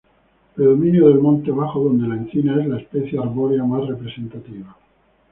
Predominio del monte bajo donde la encina es la especie arbórea más representativa.